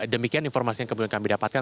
demikian informasi yang kemudian kami dapatkan